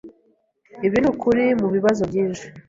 Ibi nukuri mubibazo byinshi.